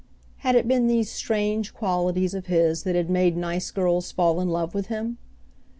Had it been these strange qualities of his that had made nice girls fall in love with him?